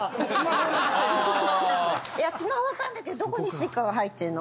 いやスマホわかるんだけどどこにＳｕｉｃａが入ってんの？